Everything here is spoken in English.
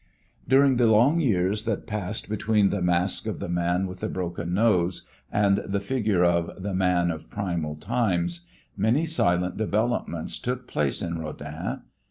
During the long years that passed between the mask of "The Man with the Broken Nose" and the figure of "The Man of Primal Times" many silent developments took place in Rodin.